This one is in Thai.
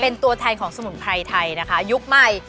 เป็นตัวแทนของสมุนไพรไทยนะคะยุคใหม่